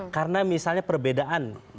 karena misalnya perbedaan